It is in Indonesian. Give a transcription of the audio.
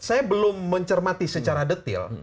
saya belum mencermati secara detail